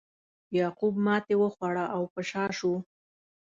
یعقوب ماتې وخوړه او په شا شو.